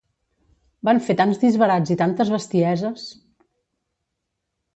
Van fer tants disbarats i tantes bestieses!